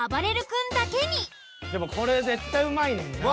でもこれ絶対うまいねんな。